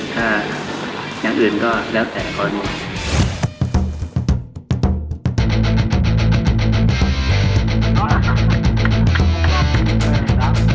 ถ้าอย่างอื่นก็แล้วแต่ข้อนี้